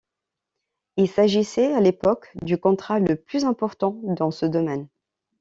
Il s'agissait à l'époque du contrat le plus important dans ce domaine.